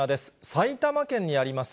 埼玉県にあります